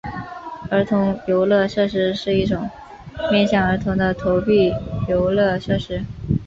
儿童游乐设施是一种面向儿童的投币游乐设施。